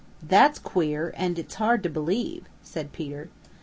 "That's queer and its hard to believe," said Peter.